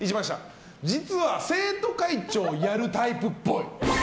実は生徒会長やるタイプっぽい。